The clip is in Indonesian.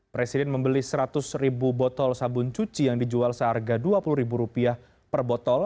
presiden membeli seratus ribu botol sabun cuci yang dijual seharga dua puluh ribu rupiah per botol